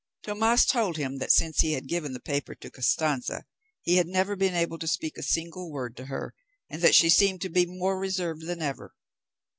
Tomas told him that since he had given the paper to Costanza he had never been able to speak a single word to her, and that she seemed to be more reserved than ever.